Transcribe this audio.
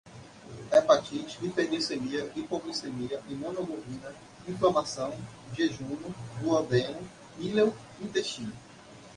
hepatite, hiperglicemia, hipoglicemia, imunoglobulina, inflamação, jejuno, duodeno, íleo, intestino